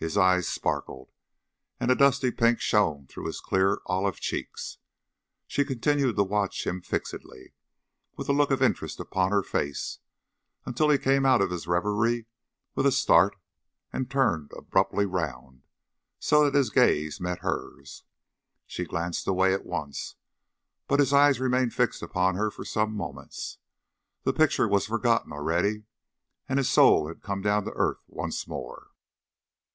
His eyes sparkled, and a dusky pink shone through his clear olive cheeks. She continued to watch him fixedly, with a look of interest upon her face, until he came out of his reverie with a start, and turned abruptly round, so that his gaze met hers. She glanced away at once, but his eyes remained fixed upon her for some moments. The picture was forgotten already, and his soul had come down to earth once more.